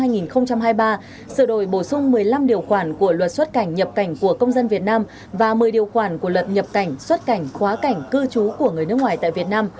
luật số hai mươi ba sửa đổi bổ sung một mươi năm điều khoản của luật xuất cảnh nhập cảnh của công dân việt nam và một mươi điều khoản của luật nhập cảnh xuất cảnh quá cảnh cư trú của người nước ngoài tại việt nam